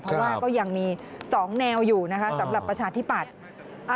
เพราะว่าก็ยังมี๒แนวอยู่นะคะสำหรับประชาธิปัตย์